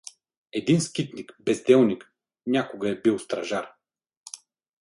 Един скитник, безделник… Някога е бил стражар.